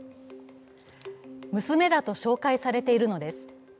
娘だと紹介されているのです。